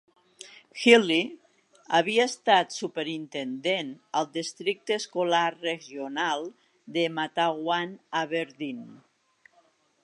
Healy havia estat superintendent al districte escolar regional de Matawan-Aberdeen.